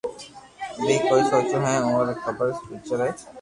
بي ڪوئي سوچوو ھي اووہ ري فيوچر ري